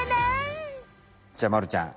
じゃまるちゃん。